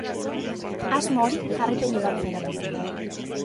Asmo hori jarraipenik gabe geratu zen.